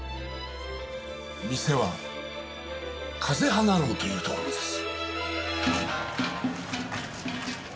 店は風花楼という所です。